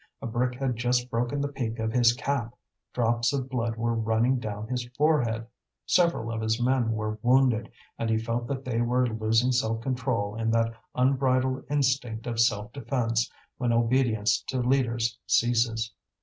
A brick had just broken the peak of his cap, drops of blood were running down his forehead. Several of his men were wounded; and he felt that they were losing self control in that unbridled instinct of self defence when obedience to leaders ceases.